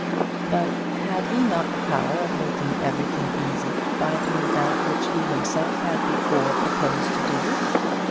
But had he not the power of making everything easy by doing that which he himself had before proposed to do?